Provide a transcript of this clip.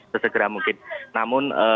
sesegera mungkin namun